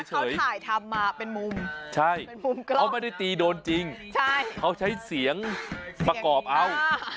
อันเนี่ยเขาถ่ายทำมาเป็นมุมกร้องเนี่ยใช่เขาไม่ได้ตีโดนจริงเขาใช้เสียงมะกอบเอ่า